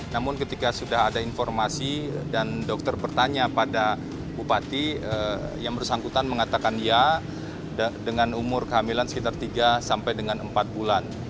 namun ketika sudah ada informasi dan dokter bertanya pada bupati yang bersangkutan mengatakan ya dengan umur kehamilan sekitar tiga sampai dengan empat bulan